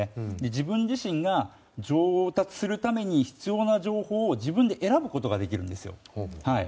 自分自身が上達するために必要な情報を選ぶことができるんですよ。